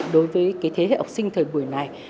đối với thế hệ học sinh thời buổi này